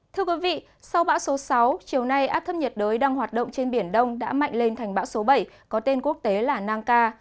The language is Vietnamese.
thưa quý vị sau bão số sáu chiều nay áp thấp nhiệt đới đang hoạt động trên biển đông đã mạnh lên thành bão số bảy có tên quốc tế là nangka